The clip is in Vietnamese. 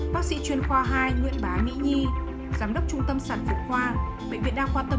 bác sĩ chuyên khoa hai nguyễn bá mỹ nhi giám đốc trung tâm sản phục khoa bệnh viện đa khoa tâm anh tp hcm